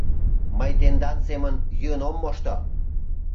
Мый тендан семын йӱын ом мошто.